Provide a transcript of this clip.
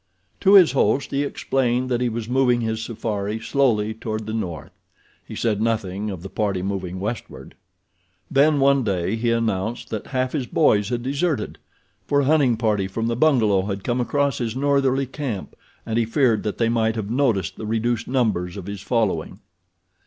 To his host he explained that he was moving his safari slowly toward the north—he said nothing of the party moving westward. Then, one day, he announced that half his boys had deserted, for a hunting party from the bungalow had come across his northerly camp and he feared that they might have noticed the reduced numbers of his following.